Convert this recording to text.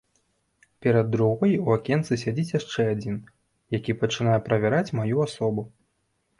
Перад другой у акенцы сядзіць яшчэ адзін, які пачынае правяраць маю асобу.